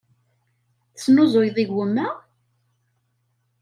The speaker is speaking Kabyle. Tesnuzuyeḍ igumma?